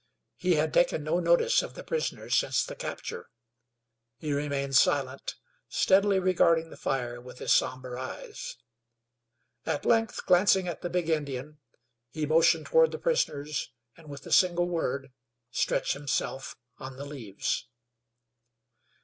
He had taken no notice of the prisoners since the capture. He remained silent, steadily regarding the fire with his somber eyes. At length, glancing at the big Indian, he motioned toward the prisoners and with a single word stretched himself on the leaves.